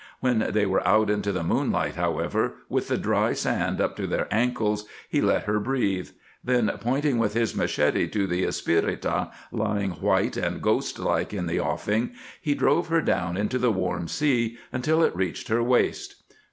When they were out into the moonlight, however, with the dry sand up to their ankles, he let her breathe; then, pointing with his machete to the Espirita lying white and ghostlike in the offing, he drove her down into the warm sea until it reached her waist.